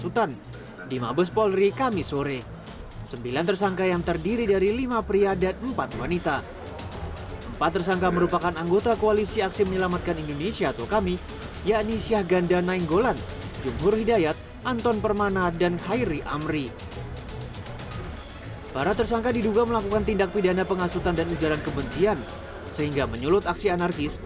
untuk mencari penolakan untuk mencari penolakan untuk mencari penolakan